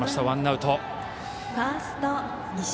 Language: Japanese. ワンアウト。